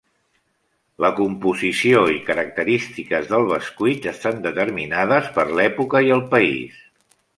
La composició i característiques del bescuit estan determinades per l'època i el país.